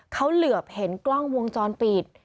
เขาเหลือบเห็นกล้องวงจรปิด